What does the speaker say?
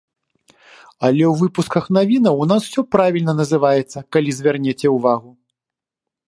Але ў выпусках навінаў у нас ўсё правільна называецца, калі звернеце ўвагу.